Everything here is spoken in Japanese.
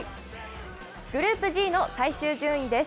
グループＧの最終順位です。